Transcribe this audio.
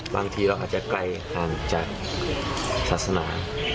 บางทีเราอาจจะไกลห่างจากศาสนา